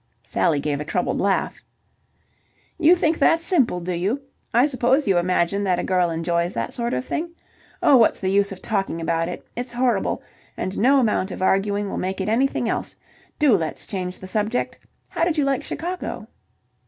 Sally gave a troubled laugh. "You think that's simple, do you? I suppose you imagine that a girl enjoys that sort of thing? Oh, what's the use of talking about it? It's horrible, and no amount of arguing will make it anything else. Do let's change the subject. How did you like Chicago?"